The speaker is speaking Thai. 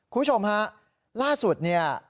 คุณผู้ชมฮะล่าสุดเนี่ย